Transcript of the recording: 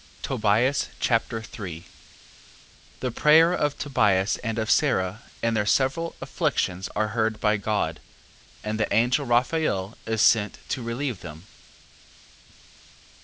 Tobias Chapter 3 The prayer of Tobias, and of Sara, in their several afflictions, are heard by God, and the angel Raphael is sent to relieve them.